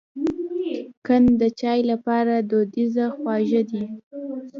قند د چای لپاره دودیزه خوږه ده.